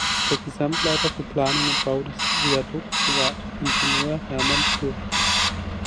Der Gesamtleiter für Planung und Bau des Viadukts war Ingenieur Hermann Schürch.